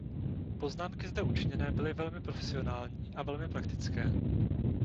Poznámky zde učiněné byly velmi profesionální a velmi praktické.